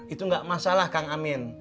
itu nggak masalah kang amin